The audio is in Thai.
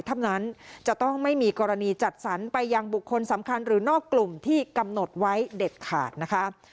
เท่านั้นจะต้องไม่มีกรณีจัดสรรไปยังบุคคลสำคัญหรือนอกกลุ่มที่กำหนดไว้เด็ดขาดนะคะ